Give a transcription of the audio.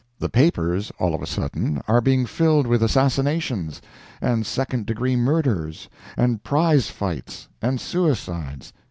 The papers, all of a sudden, are being filled with assassinations, and second degree murders, and prize fights, and suicides.